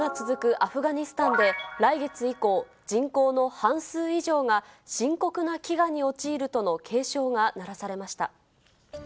アフガニスタンで、来月以降、人口の半数以上が深刻な飢餓に陥るとの警鐘が鳴らされました。